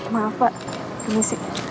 maaf pak permisi